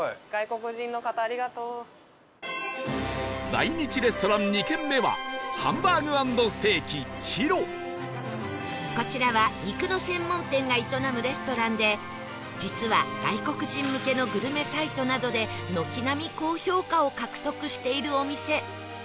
来日レストラン２軒目はこちらは肉の専門店が営むレストランで実は外国人向けのグルメサイトなどで軒並み高評価を獲得しているお店